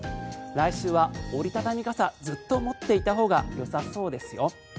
来週は折り畳み傘ずっと持っていたほうがよさそうですよ。